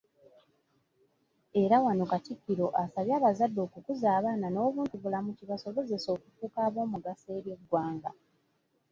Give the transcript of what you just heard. Era wano Katikkiro asabye abazadde okukuza abaana n'obuntubulamu kibasobozese okufuuka abomugaso eri eggwanga.